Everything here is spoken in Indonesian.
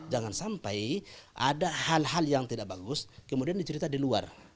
jangan sampai ada hal hal yang tidak bagus kemudian dicerita di luar